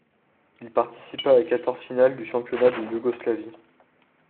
Il participa à quatorze finales du championnat de Yougoslavie.